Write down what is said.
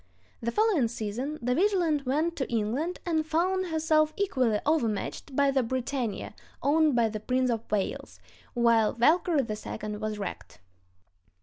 The following season the Vigilant went to England, and found herself equally overmatched by the Britannia, owned by the Prince of Wales, while Valkyrie II was wrecked.